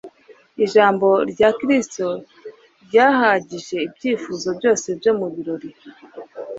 Ijambo rya Kristo ryahagije ibyifuzo byose byo mu birori.